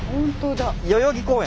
代々木公園。